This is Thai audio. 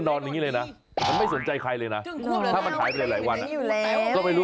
ติด๑๙๓๓น่ารักเหมือนอันดู